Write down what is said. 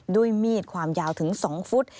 ด้วยมีดความยาวถึง๒ฟุต